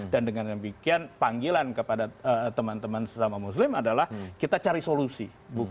dan dengan demikian panggilan kepada teman teman sesama muslim adalah kita cari solusi